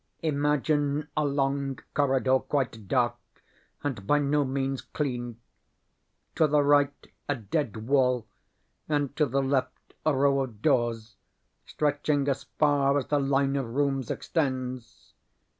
Imagine a long corridor, quite dark, and by no means clean. To the right a dead wall, and to the left a row of doors stretching as far as the line of rooms extends.